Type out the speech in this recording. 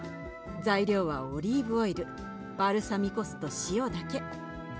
材料はオリーブオイルバルサミコ酢と塩だけ。